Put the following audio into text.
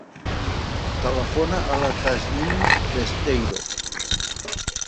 Telefona a la Tasnim Besteiro.